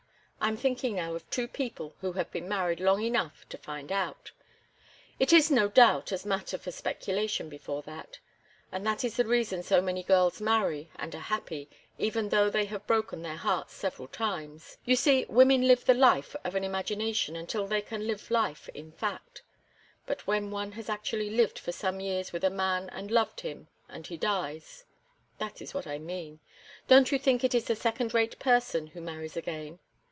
I am thinking now of two people who have been married long enough to find out. It is, no doubt, a matter for speculation before that; and that is the reason so many girls marry and are happy, even though they have broken their hearts several times—you see, women live the life of the imagination until they can live in fact. But when one has actually lived for some years with a man and loved him and he dies—that is what I mean. Don't you think it is the second rate person who marries again?